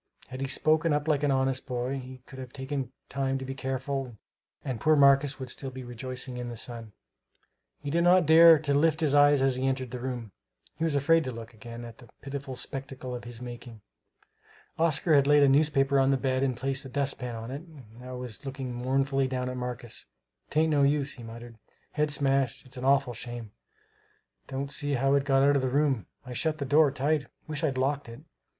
Had he spoken up like an honest boy he could have taken time to be careful and poor Marcus would still be rejoicing in the sun. He did not dare to lift his eyes as he entered the room; he was afraid to look again on that pitiful spectacle of his making. Oscar had laid a newspaper on the bed and placed the dustpan on it and now was looking mournfully down at Marcus. "'Tain't no use," he muttered, "head's smashed. It's an awful shame! Don't see how it got out of the room I shut the door tight. Wish I'd locked it!